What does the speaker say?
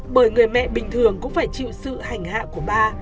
bởi người mẹ bình thường cũng phải chịu sự hành hạ của ba